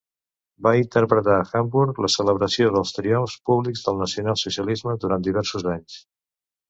Va interpretar a Hamburg la celebració dels triomfs públics del Nacional Socialisme durant diversos anys.